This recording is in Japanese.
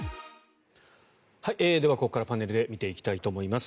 ではここからパネルで見ていきたいと思います。